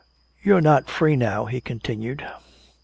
"You're not free now," he continued.